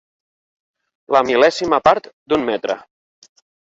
La mil·lèsima part d'un metre.